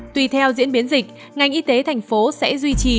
tùy theo diễn biến dịch ngành y tế thành phố sẽ duy trì